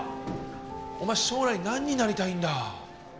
お前将来何になりたいんだ？